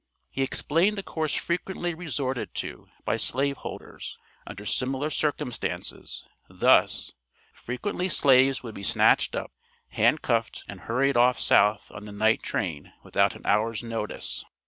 He explained the course frequently resorted to by slave holders under similar circumstances thus: "frequently slaves would be snatched up, hand cuffed and hurried off south on the night train without an hour's notice."